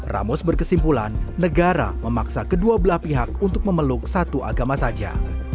ramos berkesimpulan negara memaksa kedua belah pihak untuk memeluk satu agama saja